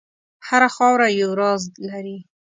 هره خاوره یو راز لري.